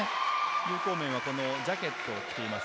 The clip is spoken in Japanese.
有効面はこのジャケットを着ています。